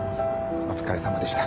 お疲れさまでした。